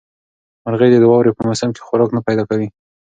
مرغۍ د واورې په موسم کې خوراک نه پیدا کوي.